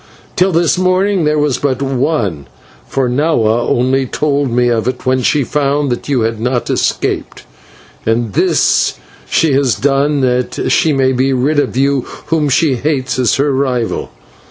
Till this morning there was but one, for Nahua only told me of it when she found that you had not escaped, and this she has done that she may be rid of you whom she hates as her rival.